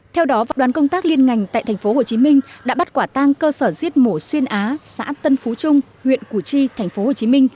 theo đó đoàn công tác liên ngành tại tp hcm đã bắt quả tang cơ sở giết mổ xuyên á xã tân phú trung huyện củ chi tp hcm